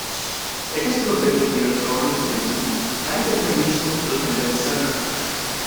It is located near Gauribidanur, and is a regional piligimage center.